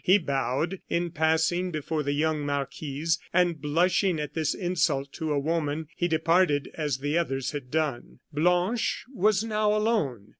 He bowed in passing before the young marquise, and blushing at this insult to a woman, he departed as the others had done. Blanche was now alone.